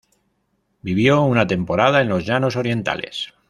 Vivió una temporada en los llanos orientales.